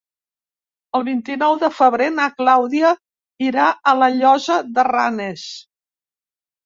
El vint-i-nou de febrer na Clàudia irà a la Llosa de Ranes.